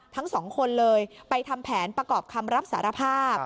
ทั้งสองคนเลยไปทำแผนประกอบคำรับสารภาพ